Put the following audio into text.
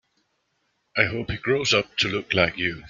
I hope he grows up to look like you.